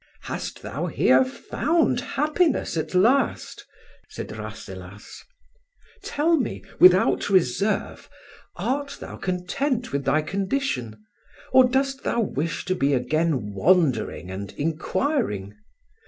"Hast thou here found happiness at last?" said Rasselas. "Tell me, without reserve, art thou content with thy condition, or dost thou wish to be again wandering and inquiring?